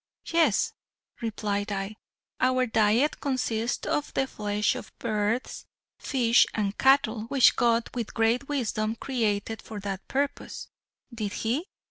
"Yes," replied I, "our diet consists of the flesh of birds, fish and cattle which God with great wisdom created for that purpose." "Did he?